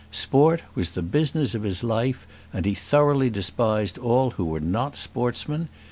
Sport was the business of his life, and he thoroughly despised all who were not sportsmen.